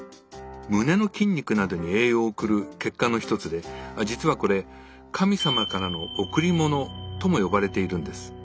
胸の筋肉などに栄養を送る血管の一つで実はこれ「神様からの贈り物」とも呼ばれているんです。